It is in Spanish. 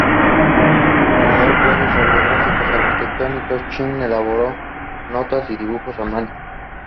Para dar sus clases sobre gráficos arquitectónicos, Ching elaboró notas y dibujos a mano.